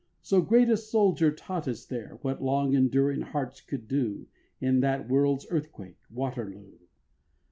So great a soldier taught us there, What long enduring hearts could do In that world's earthquake, Waterloo!